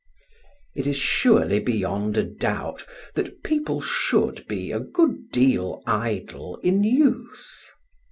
It is surely beyond a doubt that people should be a good deal idle in youth.